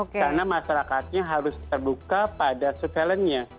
karena masyarakatnya harus terbuka pada surveillance nya